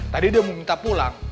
tadi dia minta pulang